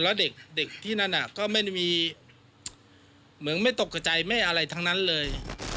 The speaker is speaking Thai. และเด็กที่นั่นก็ไม่ตกใจไม่อะไรทั้งนั้นเลย